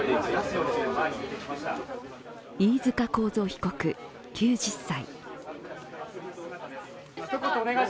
飯塚幸三被告、９０歳。